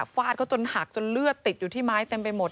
ฟาดเขาจนหักจนเลือดติดอยู่ที่ไม้เต็มไปหมด